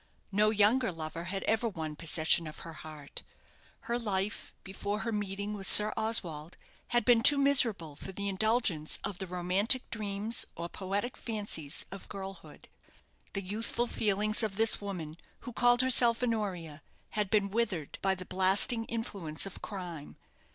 No younger lover had ever won possession of her heart. Her life, before her meeting with Sir Oswald, had been too miserable for the indulgence of the romantic dreams or poetic fancies of girlhood. The youthful feelings of this woman, who called herself Honoria, had been withered by the blasting influence of crime.